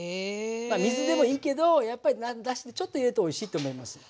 まあ水でもいいけどやっぱりだしでちょっと入れるとおいしいと思います。